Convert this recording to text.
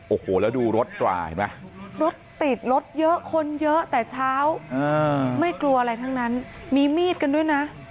โอ้โหแล้วดูรถตราเห็นไหมรถติดรถเยอะคนเยอะแต่เช้าไม่กลัวอะไรทั้งนั้นมีมีดกันด้วยนะ